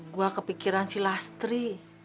gue kepikiran si lastri